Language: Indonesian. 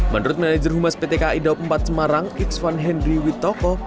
menurut manajer humas pt kai daup empat semarang iksvan henry witoko